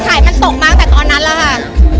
ถ่ายมันตกมาตั้งแต่ตอนนั้นแล้วค่ะ